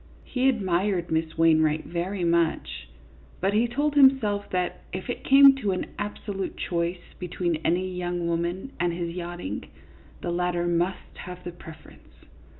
He admired Miss Wainwright very much, but he told himself that if it came to an absolute choice between any young woman and his yachting, the latter must have the preference.